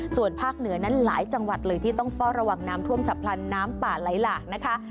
ส่วนภาคเหนือนั้นหลายจังหวัดเลยที่ต้องเฝ้าระวังน้ำท่วมฉับพลันน้ำป่าไหลหลากนะคะ